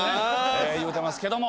え言うてますけども。